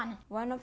toán rất bổ ích